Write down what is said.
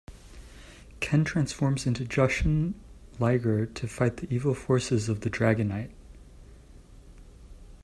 Ken transforms into Jushin Liger to fight the evil forces of the Dragonite!